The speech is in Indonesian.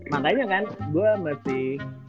makanya kan gua masih